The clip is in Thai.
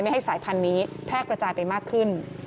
ให้สายพันธุ์นี้แพร่กระจายไปมากขึ้น